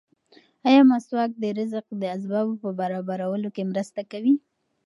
ایا مسواک د رزق د اسبابو په برابرولو کې مرسته کوي؟